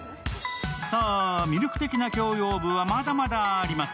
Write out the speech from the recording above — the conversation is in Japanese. さあ、魅力的な共用部はまだまだあります。